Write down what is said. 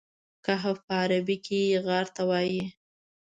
کهف په عربي کې غار ته وایي.